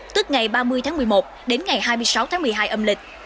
tức ngày ba mươi tháng một mươi một đến ngày hai mươi sáu tháng một mươi hai âm lịch